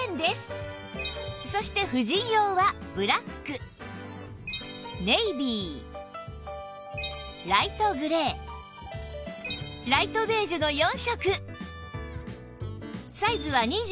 そして婦人用はブラックネイビーライトグレーライトベージュの４色